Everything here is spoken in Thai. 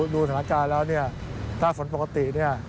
ดูสถานการณ์แล้วถ้าฝนปกติ